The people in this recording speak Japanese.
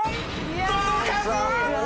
届かず！